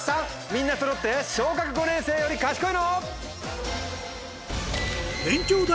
みんなそろって小学５年生より賢いの？